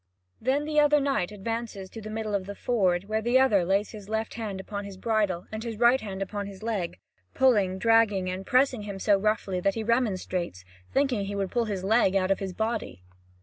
Then the other knight advances to the middle of the ford, where the other lays his left hand upon his bridle, and his right hand upon his leg, pulling, dragging, and pressing him so roughly that he remonstrates, thinking that he would pull his leg out of his body.